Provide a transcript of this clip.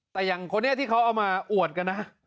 แต่อย่างคนนี้ที่เขาเอามาอวดกันนะ